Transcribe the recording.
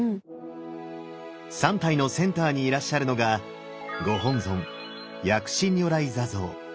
３体のセンターにいらっしゃるのがご本尊薬師如来坐像。